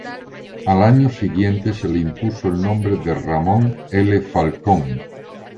Al año siguiente se le impuso el nombre de Ramón L. Falcón.